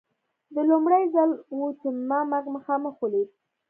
دا لومړی ځل و چې ما مرګ مخامخ ولید